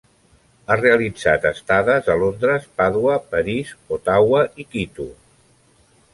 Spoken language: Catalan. Ha realitzat estades a Londres, Pàdua, París, Ottawa i Quito.